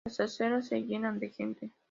Las aceras se llenan de gente.